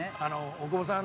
大久保さん